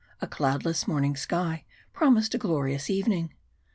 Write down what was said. A cloudless morning sky promised a glorious evening.